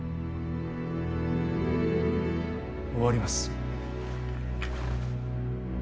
終わります。